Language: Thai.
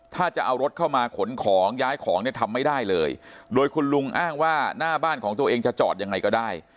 ถ้าจะเอารถเข้ามาขนของย้ายของเนี่ยทำไม่ได้เลยโดยคุณลุงอ้างว่าหน้าบ้านของตัวเองจะจอดยังไงก็ได้